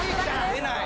出ない。